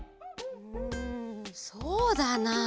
うんそうだな。